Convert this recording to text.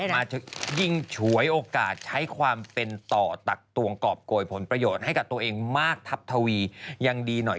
เงินได้โจ้ยโอกาสอย่างเคยให้ความเป็นต่อตัดสั่งตรงกรอบโกยผลประโยชน์ให้ตัวเองมากทัพทวียังดีหน่อย